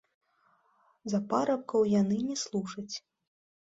За парабкоў яны не служаць.